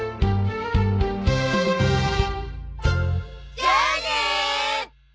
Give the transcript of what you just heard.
じゃあね！